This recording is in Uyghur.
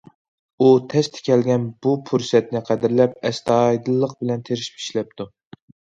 ئۇ تەستە كەلگەن بۇ پۇرسەتنى قەدىرلەپ، ئەستايىدىللىق بىلەن تىرىشىپ ئىشلەپتۇ.